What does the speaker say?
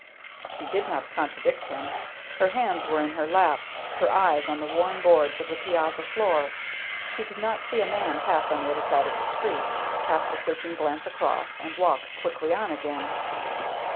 She did not contradict him. Her hands were in her lap, her eyes on the worn boards of the piazza floor. She did not see a man pass on the other side of the street, cast a searching glance across and walk quickly on again.